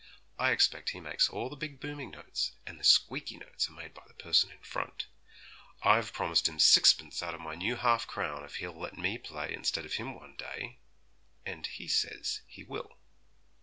I expect he makes all the big booming notes, and the squeaky notes are made by the person in front. I've promised him sixpence out of my new half crown, if he'll let me play instead of him one day; and he says he will.'